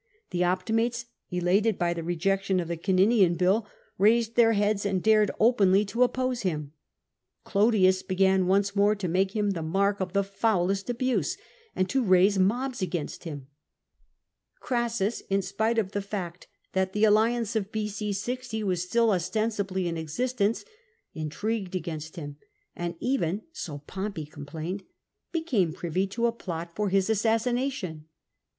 The Optimates, elated by the rejection of the Caninian bill, raised their heads and dared openly to oppose him : Clodius began once more to make him the mark of the foulest abuse and to raise mobs against him: Crassus, in spite of the fact that the alliance of B.c. 60 was still ostensibly in existence, intrigued against him, and even (so Pompey complained) became privy to a plot for his assassination.